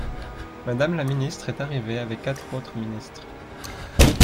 Madame la ministre est arrivée avec quatre autres ministres.